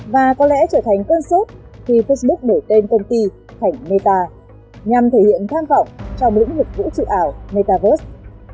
và có lẽ trở thành cơn sốt khi facebook đổi tên công ty thành meta nhằm thể hiện tham vọng trong lĩnh vực vũ trụ ảo metavost